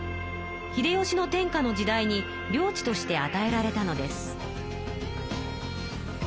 秀吉の天下の時代に領地としてあたえられたのです。